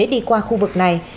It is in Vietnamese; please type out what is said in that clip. đi qua khu vực này